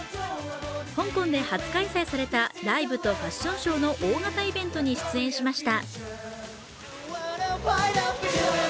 香港で初開催されたライブとファッションショーの大型イベントに出演しました。